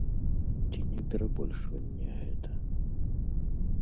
Ці не перабольшванне гэта?